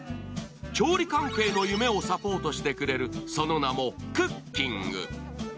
調理関係の夢をサポートしてくれるその名もクッキング。